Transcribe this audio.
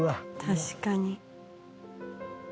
確かに。